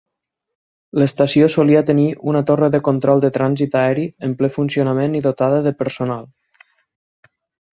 L'estació solia tenir una torre de control de trànsit aeri en ple funcionament i dotada de personal.